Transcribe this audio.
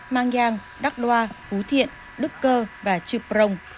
mang giang đắk đoa phú thiện đức cơ và trực rồng